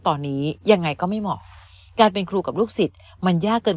ตอนนี้ยังไงก็ไม่เหมาะการเป็นครูกับลูกศิษย์มันยากเกิน